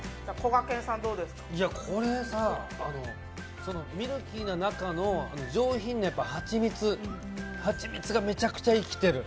これさ、ミルキーな中の上品なはちみつ、はちみつがめちゃくちゃ生きてる。